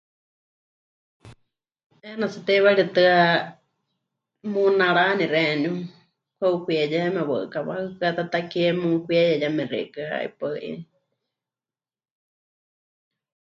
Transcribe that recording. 'Eena tsɨ teiwaritɨ́a munarani xeeníu, mɨka'ukwieya yeme waɨkawa hukɨ́a ta takie mukwieya yeme xeikɨ́a 'ipaɨ 'i.